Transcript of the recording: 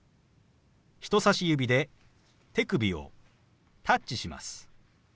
人さし指で手首をタッチします。